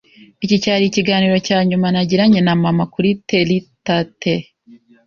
Iki cyari ikiganiro cya nyuma nagiranye na mama kuri Terry Tate.